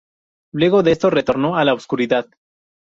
Luego de esto retornó a la oscuridad.